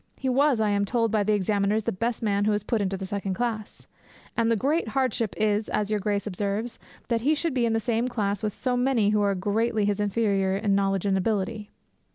He was, I am told by the examiners, the best man who was put into the second class; and the great hardship is, as your Grace observes, that he should be in the same class with so many who are greatly his inferior in knowledge and ability.